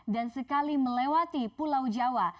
dan sekali melewati pulau jawa